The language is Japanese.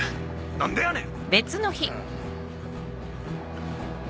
何でやねん！